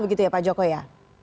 begitu ya pak joko ya